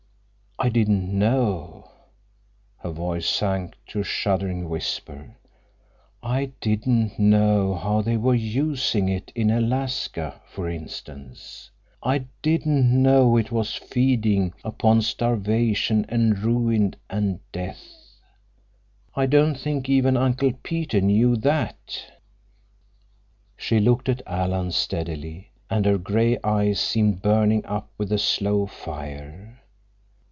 I didn't know"—her voice sank to a shuddering whisper—"I didn't know how they were using it in Alaska, for instance. I didn't know it was feeding upon starvation and ruin and death. I don't think even Uncle Peter knew that." She looked at Alan steadily, and her gray eyes seemed burning up with a slow fire.